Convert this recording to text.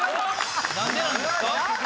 何でなんですか？